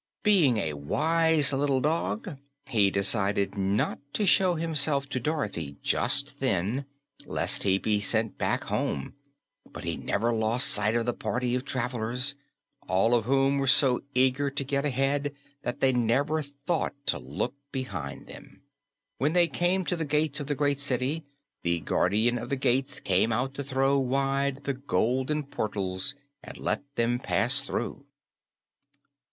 Being a wise little dog, he decided not to show himself to Dorothy just then, lest he be sent back home, but he never lost sight of the party of travelers, all of whom were so eager to get ahead that they never thought to look behind them. When they came to the gates in the city wall, the Guardian of the Gates came out to throw wide the golden portals and let them pass through.